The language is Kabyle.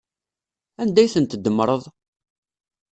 Anda ay ten-tdemmreḍ?